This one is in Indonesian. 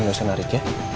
gausah narik ya